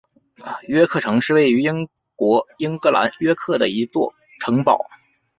约克城是位于英国英格兰约克的一座城堡。